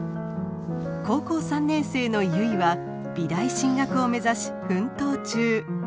高校３年生の結は美大進学を目指し奮闘中。